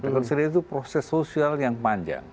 rekonsilien itu proses sosial yang panjang